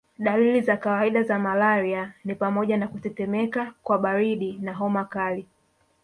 Dalili za kawaida za malaria ni pamoja na kutetemeka kwa baridi na homa kali